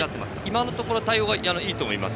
今のところ対応はいいと思います。